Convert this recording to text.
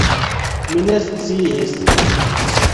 Mi ne sciis!